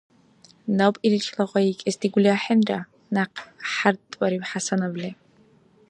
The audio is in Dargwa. — Наб иличила гъайикӀес дигули ахӀенра, — някъ хӀяртбариб ХӀясановли.